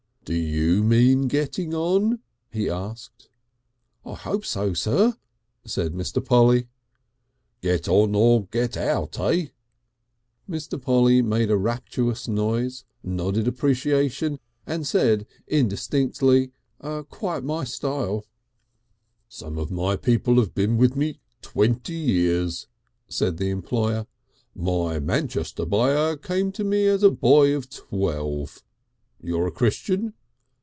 "Do you mean getting on?" he asked. "I hope so, sir," said Mr. Polly. "Get on or get out, eh?" Mr. Polly made a rapturous noise, nodded appreciation, and said indistinctly "Quite my style." "Some of my people have been with me twenty years," said the employer. "My Manchester buyer came to me as a boy of twelve. You're a Christian?"